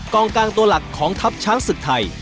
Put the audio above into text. กลางตัวหลักของทัพช้างศึกไทย